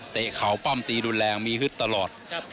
เข่าปั้มตีรุนแรงมีฮึดตลอด